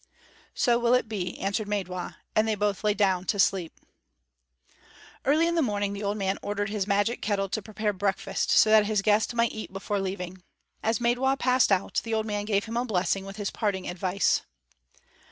"So will it be," answered Maidwa; and they both lay down to sleep. Early in the morning the old man ordered his magic kettle to prepare breakfast, so that his guest might eat before leaving. As Maidwa passed out, the old man gave him a blessing with his parting advice.